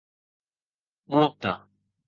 Multa!